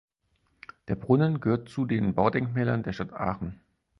Der Brunnen gehört zu den Baudenkmälern der Stadt Aachen.